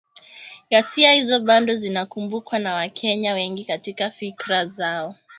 Ghasia hizo bado zinakumbukwa na Wakenya wengi katika fikra zao